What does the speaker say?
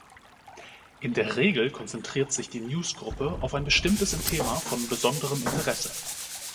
In der Regel konzentriert sich die Newsgruppe auf ein bestimmtes Thema von besonderem Interesse.